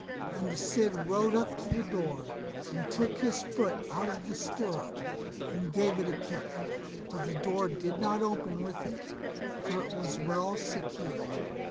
And the Cid rode up to the door, and took his foot out of the stirrup, and gave it a kick, but the door did not open with it, for it was well secured.